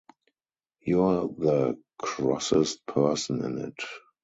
You're the crossest person in it!